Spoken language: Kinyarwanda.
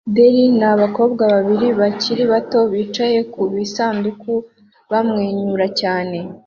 Ther ni abakobwa babiri bakiri bato bicaye ku bisanduku bamwenyura cyane